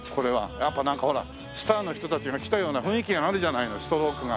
やっぱなんかほらスターの人たちが来たような雰囲気があるじゃないのストロークが。